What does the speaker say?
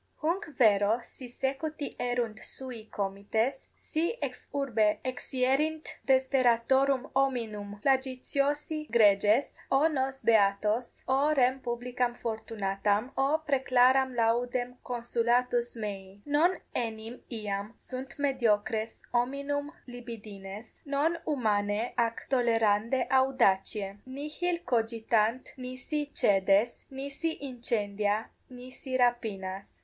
Hunc vero si secuti erunt sui comites, si ex urbe exierint 10 desperatorum hominum flagitiosi greges, o nos beatos, o rem publicam fortunatam, o praeclaram laudem consulatus mei! Non enim iam sunt mediocres hominum libidines, non humanae ac tolerandae audaciae: nihil cogitant nisi caedes, nisi incendia, nisi rapinas.